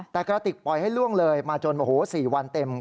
แต่กระติกปล่อยให้ล่วงเลยมาจนโอ้โห๔วันเต็ม